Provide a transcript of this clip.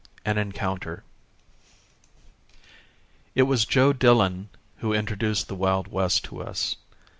AN ENCOUNTER It was Joe Dillon who introduced the Wild West to us.